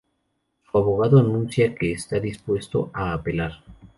Su abogado anuncia que está dispuesto a apelar.